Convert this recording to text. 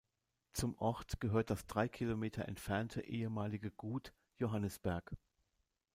Zum Ort gehört das drei Kilometer entfernte ehemalige Gut "Johannisberg".